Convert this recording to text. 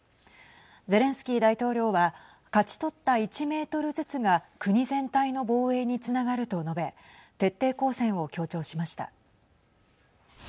ゼレンスキー大統領は勝ち取った１メートルずつが国全体の防衛につながると述べ徹底抗戦を強調しました。